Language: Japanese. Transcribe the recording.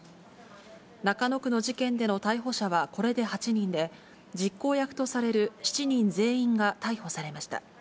中野区の事件での逮捕者はこれで８人で、実行役とされる７人全員が逮捕されました。